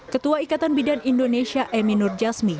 ketua ikatan bidan indonesia emy nur jasmi